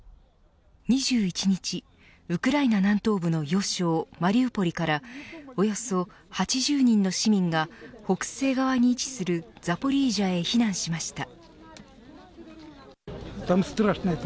２１日、ウクライナ南東部の要衝マリウポリからおよそ８０人の市民が北西側に位置するザポリージャへ避難しました。